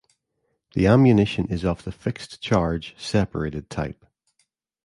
The ammunition is of the fixed-charge, separated type.